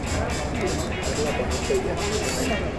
¿ el Señor la conoce ya?